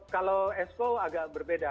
kalau exco agak berbeda